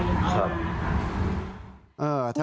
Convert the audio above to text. อย่าเอาคนอื่นที่แบบที่เราไม่ไว้ใจอย่างนั้นนะคะ